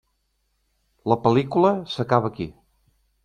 La pel·lícula s'acaba aquí.